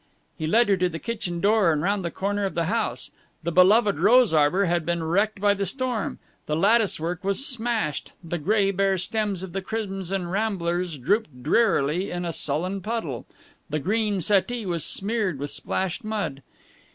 He led her to the kitchen door and round the corner of the house. The beloved rose arbor had been wrecked by the storm. The lattice work was smashed. The gray bare stems of the crimson ramblers drooped drearily into a sullen puddle. The green settee was smeared with splashed mud.